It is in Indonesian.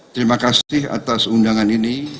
terima kasih atas undangan ini